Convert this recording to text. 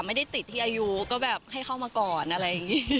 ไม่ได้ติดที่อายุก็แบบให้เข้ามาก่อนอะไรอย่างนี้